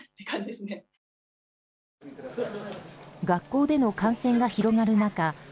学校での感染が広がる中